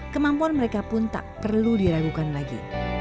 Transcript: kemampuan mereka pun tak perlu diragukan lagi